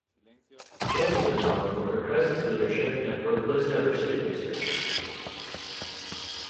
James is known for her crisis leadership and workplace diversity research.